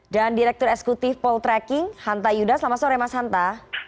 dan direktur esekutif paul tracking hanta yudha selamat sore mas hanta